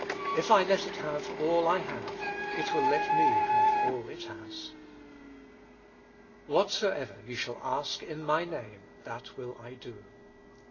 If I let it have all I have it will let me have all it has. "Whatsoever ye shall ask in my Name, that will I do."